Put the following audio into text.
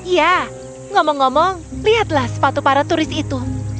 ya ngomong ngomong lihatlah sepatu para turis itu